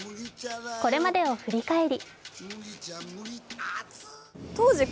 これまでを振り返り